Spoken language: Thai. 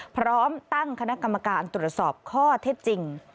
พร้อมตั้งคณะกรรมการตรวจสอบข้อเท็จจริง